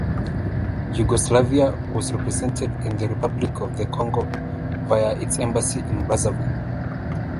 Yugoslavia was represented in the Republic of the Congo via its Embassy in Brazzaville.